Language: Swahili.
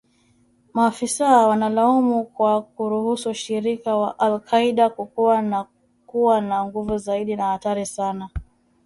Maafisa wanalaumu kwa kuruhusu ushirika wa al-Qaida kukua na kuwa na nguvu zaidi na hatari sana